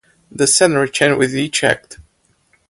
The scenery changed with each act.